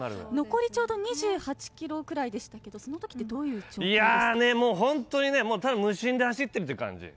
残りちょうど２８ｋｍくらいでしたけど無心で走ってるって感じ。